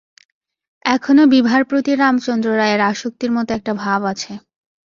এখনও বিভার প্রতি রামচন্দ্র রায়ের আসক্তির মতো একটা ভাব আছে।